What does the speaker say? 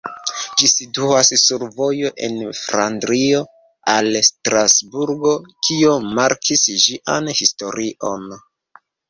Ĝi situas sur la vojo el Flandrio al Strasburgo, kio markis ĝian historion.